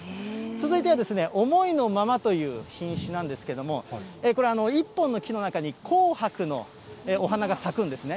続いてはですね、思いのままという品種なんですけれども、これ、１本の木の中に紅白のお花が咲くんですね。